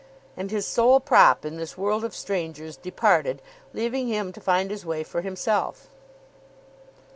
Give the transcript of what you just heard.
And his sole prop in this world of strangers departed, leaving him to find his way for himself.